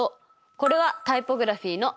これはタイポグラフィの「タ」。